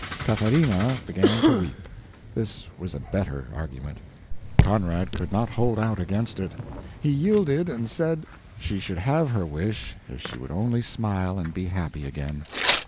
Catharina began to weep. This was a better argument; Conrad could not hold out against it. He yielded and said she should have her wish if she would only smile and be happy again.